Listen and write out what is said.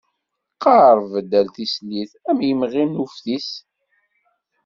Qerb-d a tislit, ay imɣi n uftis.